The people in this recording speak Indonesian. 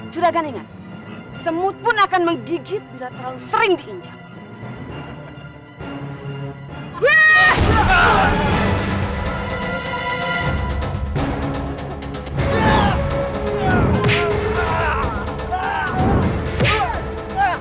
juragan ingat semut pun akan menggigit bila terlalu sering diinjak